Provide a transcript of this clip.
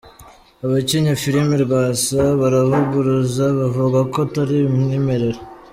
Abakinnye filimi Rwasa baravuguruza abavuga ko atari umwimerere